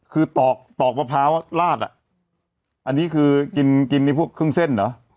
คือตอกตอกมะพร้าวลาดอ่ะอันนี้คือกินกินนี่พวกครึ่งเส้นเหรอ